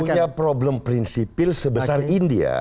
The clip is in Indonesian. punya problem prinsipil sebesar india